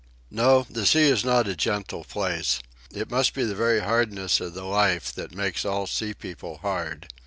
No, the sea is not a gentle place. It must be the very hardness of the life that makes all sea people hard.